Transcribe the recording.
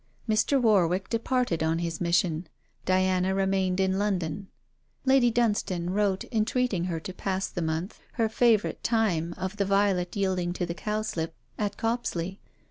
Mr. Warwick departed on his mission. Diana remained in London. Lady Dunstane wrote entreating her to pass the month her favourite time of the violet yielding to the cowslip at Copsley.